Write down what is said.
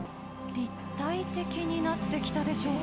立体的になってきたでしょう